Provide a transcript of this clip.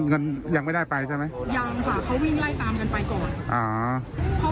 เงินยังไม่ได้ไปใช่ไหมยังค่ะเขาวิ่งไล่ตามกันไปก่อนอ่าเขา